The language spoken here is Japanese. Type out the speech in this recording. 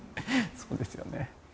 そうですよね。